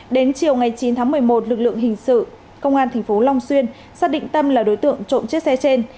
đến chiều chín tháng một mươi một lực lượng hình sự công an thành phố long xuyên xác định tâm là đối tượng trộm chiếc xe trên